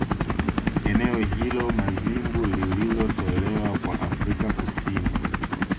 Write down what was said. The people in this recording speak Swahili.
Eneo hilo Mazimbu lilitolewa kwa Afrika Kusini